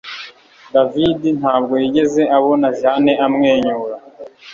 David ntabwo yigeze abona Jane amwenyura